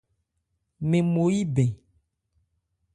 Mɛn mo yí bɛn.